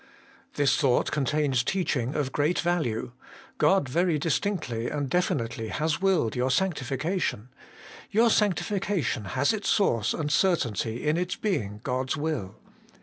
This thought contains teaching of great value. God very distinctly and definitely has willed your sanctification : your sanctification has its source and certainty in its being God's will.